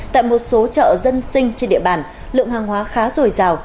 tại một số chợ dân sinh trên địa bàn lượng hàng hóa khá rồi rào